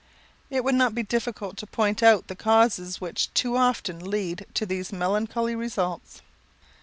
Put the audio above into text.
It would not be difficult to point out the causes which too often lead to these melancholy results.